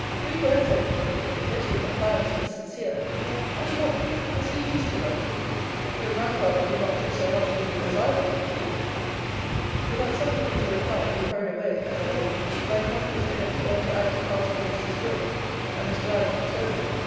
Three words only Let your compliance be sincere! and love me, as you used to love me your Grandfather did not do so much for you, as I will do for you. Without suffering me to reply, he hurried away, as I thought, like one who has been employed to act a part against his will, and was glad it was over.